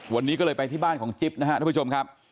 วันนี้ก็เลยไปที่บ้านของจิ๊บนะครับทุกผู้ชมครับ